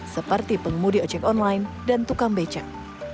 seperti pengemudi ojek online dan tukang becak